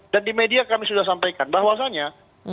dan di media kami sudah sampaikan bahwasannya